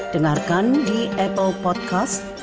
dengarkan di apple podcast